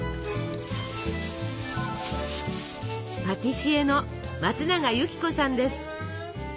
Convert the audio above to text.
パティシエの松永幸子さんです。